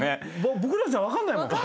僕らじゃ分かんないもん。